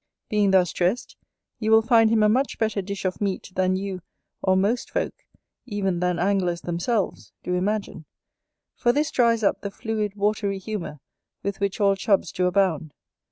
Being thus dressed, you will find him a much better dish of meat than you, or most folk, even than anglers themselves, do imagine: for this dries up the fluid watery humour with which all Chubs do abound.